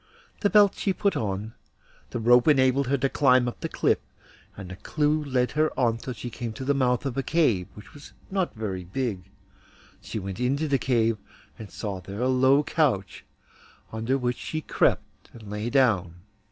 The belt she put on, the rope enabled her to climb up the cliff, and the clew led her on till she came to the mouth of a cave, which was not very big. She went into the cave, and saw there a low couch, under which she crept and lay down.